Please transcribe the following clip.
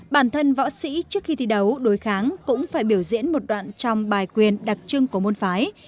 bản thân võ sĩ trước khi thi đấu đối kháng cũng phải biểu diễn một đoạn trong bài quyền đặc trưng của môn phái